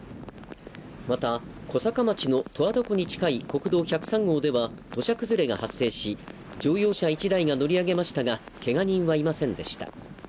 また小坂町の十和田湖に近い国道１０３号では土砂崩れが発生し乗用車１台が乗り上げましたがけが人はいませんでした